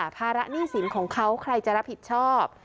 ภาระหนี้สินของเขาใครจะรับผิดชอบ